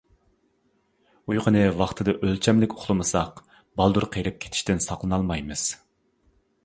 ئۇيقۇنى ۋاقتىدا ئۆلچەملىك ئۇخلىمىساق بالدۇر قېرىپ كېتىشتىن ساقلىنالمايمىز.